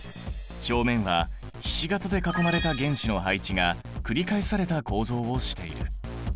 表面はひし形で囲まれた原子の配置が繰り返された構造をしている。